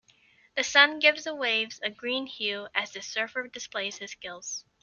The sun gives the waves a green hue as this surfer displays his skills.